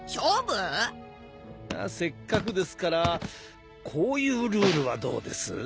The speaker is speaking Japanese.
せっかくですからこういうルールはどうです？